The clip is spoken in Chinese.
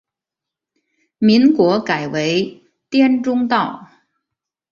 民国改为滇中道。